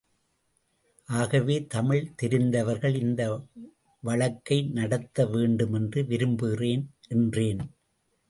ஆகவே தமிழ் தெரிந்தவர்கள் இந்த வழக்கை நடத்தவேண்டுமென்று விரும்புகிறேன் என்றேன்.